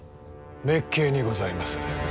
滅敬にございます。